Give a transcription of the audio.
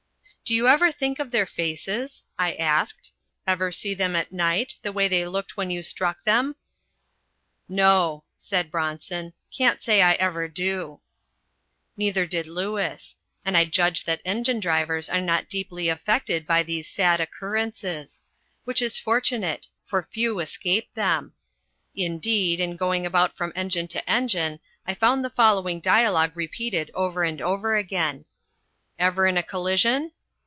"Do you ever think of their faces?" I asked; "ever see them at night the way they looked when you struck them!" "No," said Bronson; "can't say I ever do." Neither did Lewis. And I judge that engine drivers are not deeply affected by these sad occurrences. Which is fortunate, for few escape them. Indeed, in going about from engine to engine I found the following dialogue repeated over and over again: "Ever in a collision?"